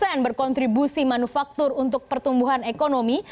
untuk kontribusi manufaktur untuk pertumbuhan ekonomi